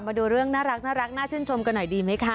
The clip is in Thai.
มาดูเรื่องน่ารักน่าชื่นชมกันหน่อยดีไหมคะ